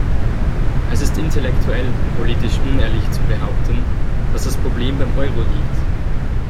Es ist intellektuell und politisch unehrlich zu behaupten, dass das Problem beim Euro liegt.